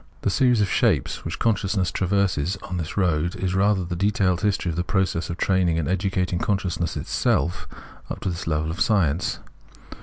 The series of shapes, which consciousness traverses on this road, is rather the detailed history of the process of training and educating consciousness itself up to the level of science.